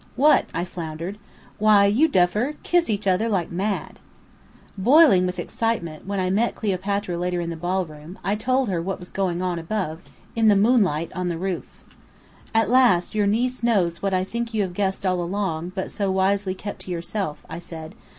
"What?" I floundered. "Why, you duffer, kiss each other like mad!" Boiling with excitement, when I met Cleopatra later in the ballroom, I told her what was going on above, in the moonlight, on the roof. "At last your niece knows what I think you have guessed all along, but so wisely kept to yourself," I said.